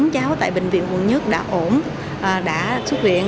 tám cháu tại bệnh viện quận một đã ổn đã xuất viện